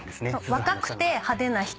「若くて派手な人」